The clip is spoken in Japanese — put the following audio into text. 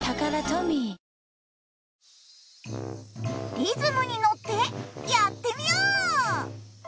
リズムにのってやってみよう！